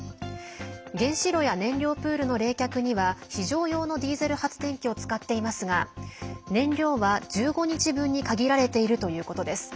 原子炉や燃料プールの冷却には非常用のディーゼル発電機を使っていますが燃料は１５日分に限られているということです。